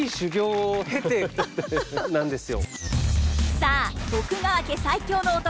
さあ徳川家最強の男